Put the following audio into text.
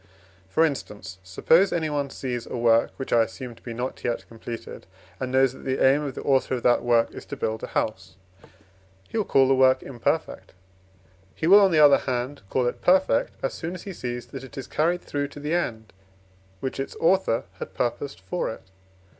For instance, suppose anyone sees a work (which I assume to be not yet completed), and knows that the aim of the author of that work is to build a house, he will call the work imperfect; he will, on the other hand, call it perfect, as soon as he sees that it is carried through to the end, which its author had purposed for it.